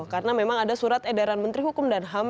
karena memang ada surat edaran kementerian hukum dan ham